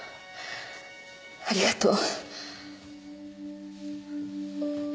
ありがとう。